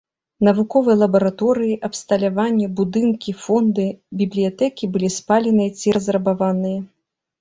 Навуковыя лабараторыі, абсталяванне, будынкі, фонды бібліятэкі былі спаленыя ці разрабаваныя.